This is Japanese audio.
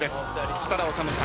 設楽統さん